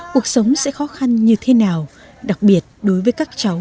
cuộc sống sẽ khó khăn như thế nào đặc biệt đối với các cháu